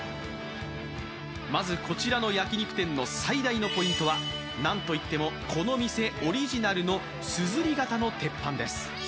まずこちらの焼き肉店の最大のポイントは何といってもこの店オリジナルのすずり型の鉄板です。